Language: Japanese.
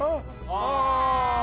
ああ。